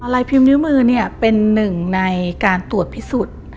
ลายพิมพ์นิ้วมือเป็นหนึ่งในการตรวจพิสุทธิ์